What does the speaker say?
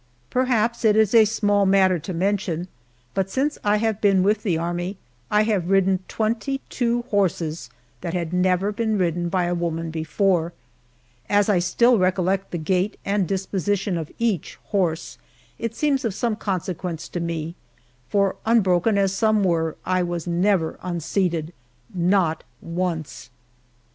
Perhaps it is a small matter to mention, but since I have been with the Army I have ridden twenty two horses that had never been ridden by a woman before! As I still recollect the gait and disposition of each horse, it seems of some consequence to me, for unbroken as some were, I was never unseated not once!